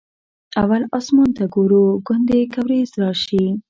اول اسمان ته ګورو ګوندې که ورېځ راشي.